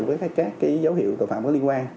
với các dấu hiệu tội phạm có liên quan